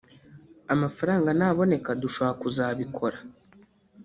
amafaranga naboneka dushobora kuzabikora